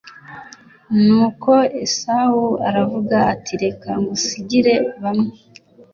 nuko esawu aravuga ati reka ngusigire bamwe